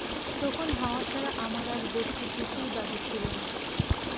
তখন হাওয়া ছাড়া আমার আর বস্তু কিছুই বাকি ছিল না।